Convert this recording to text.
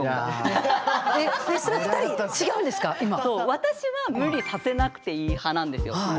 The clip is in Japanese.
私は無理させなくていい派なんですよ。